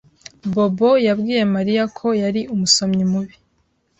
Bobo yabwiye Mariya ko yari umusomyi mubi.